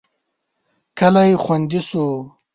کلی خوندي شو.